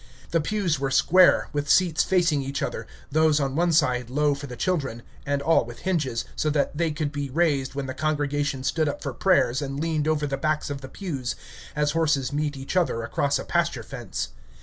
The pews were square, with seats facing each other, those on one side low for the children, and all with hinges, so that they could be raised when the congregation stood up for prayers and leaned over the backs of the pews, as horses meet each other across a pasture fence.